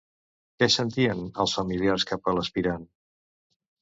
Què sentien els familiars cap a l'aspirant?